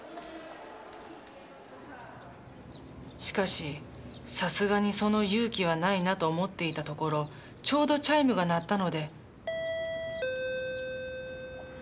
しかしさすがにその勇気はないなと思っていたところちょうどチャイムが鳴ったので。